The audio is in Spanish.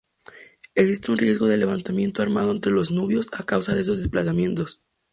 Existe un riesgo de levantamiento armado entre los nubios a causa de estos desplazamientos.